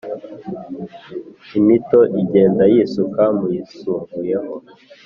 imito igenda yisuka muyisumbuyeho